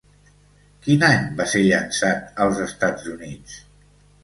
Quin any va ser llançat als Estats Units?